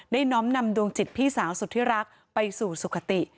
น้อมนำดวงจิตพี่สาวสุธิรักไปสู่สุขติ